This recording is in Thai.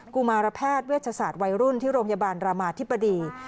กุมารแพทย์เวชศาสตร์วัยรุ่นที่โรงพยาบาลรามาธิบดี